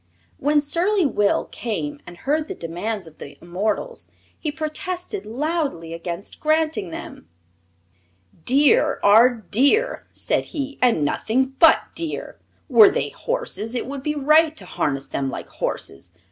When surly Will came and heard the demands of the immortals he protested loudly against granting them. "Deer are deer," said he, "and nothing but deer. Were they horses it would be right to harness them like horses.